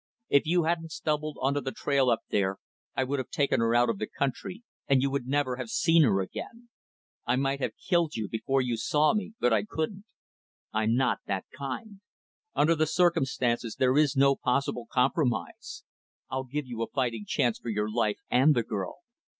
If you hadn't stumbled onto the trail up there, I would have taken her out of the country, and you would never have seen her again. I might have killed you before you saw me, but I couldn't. I'm not that kind. Under the circumstances there is no possible compromise. I'll give you a fighting chance for your life and the girl.